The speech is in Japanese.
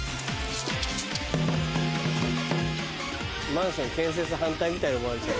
マンション建設反対みたいに思われちゃう。